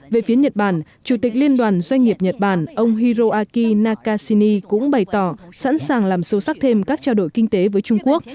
về phía nhật bản chủ tịch liên đoàn doanh nghiệp nhật bản ông hiroaki nakashini cũng bày tỏ sẵn sàng làm sâu sắc thêm các trao đổi kinh tế với trung quốc